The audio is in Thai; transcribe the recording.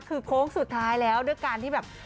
คือโค้งสุดท้ายแล้วด้วยการที่แบบ